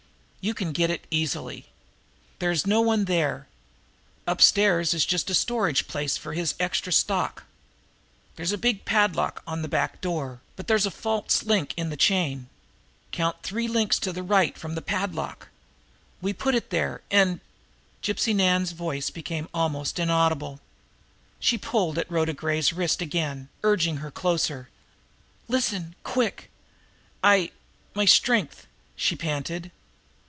You can get in easily. There's no one there upstairs is just a storage place for his extra stock. There's a big padlock on the back door, but there's a false link in the chain count three links to the right from the padlock we put it there, and " Gypsy Nan's voice had become almost inaudible. She pulled at Rhoda Gray's wrist again, urging her closer. "Listen quick! I my strength!" she panted.